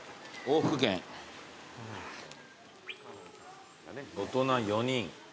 大人４人。